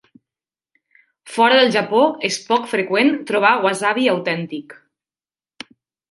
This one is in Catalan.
Fora del Japó, és poc freqüent trobar wasabi autèntic.